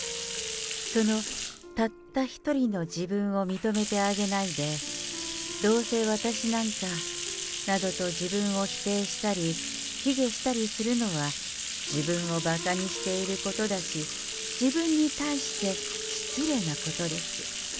そのたった一人の自分を認めてあげないで、どうせ私なんかなどと自分を否定したり、卑下したりするのは自分をばかにしていることだし、自分に対して失礼なことです。